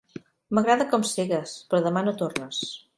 M'agrada com segues, però demà no tornes.